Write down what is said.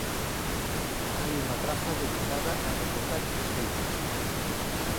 Hai unha praza dedicada a recordar estes feitos.